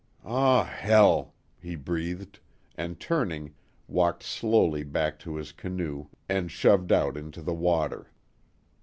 "Aw hell!" he breathed, and turning, walked slowly back to his canoe and shoved out onto the water.